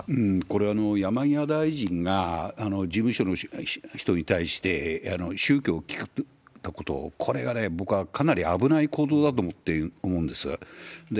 これ、山際大臣が事務所の人に対して、宗教を聞くこと、これがね、僕はかなり危ない行動だと思うんです。